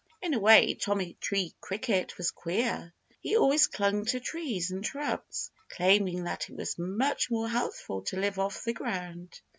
In a way Tommy Tree Cricket was queer. He always clung to trees and shrubs, claiming that it was much more healthful to live off the ground.